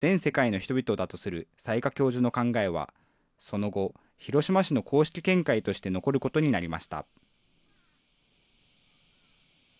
碑文の主語を、私たち、全世界の人々だとする雑賀教授の考えは、その後、広島市の公式見解として残ることになりました。